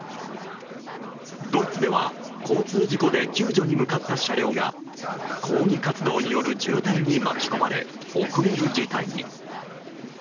ドイツでは交通事故で救助に向かった車両が抗議活動による渋滞に巻き込まれ遅れる事態に。